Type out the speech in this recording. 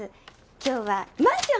今日はマンション！